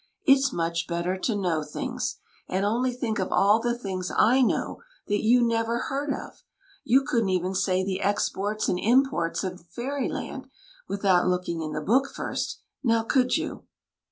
It s much better to know things; and only think of all the things I know that you never heard of ! You could n't even say the exports and imports of Fairyland without looking in the book first ; now, could you